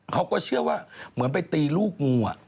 เขาก็เชื่อว่าเหมือนไปตีลูกงู